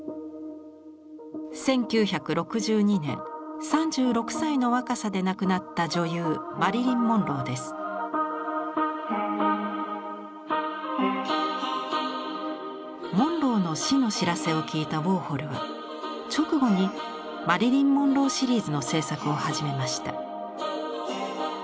１９６２年３６歳の若さで亡くなった女優モンローの死の知らせを聞いたウォーホルは直後にマリリン・モンローシリーズの制作を始めました。